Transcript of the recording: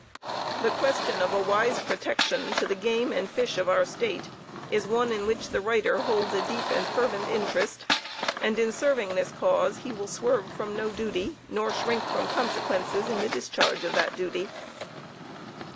The question of a wise protection to the game and fish of our State is one in which the writer holds a deep and fervent interest, and in serving this cause, he will swerve from no duty, nor shrink from consequences in the discharge of that duty.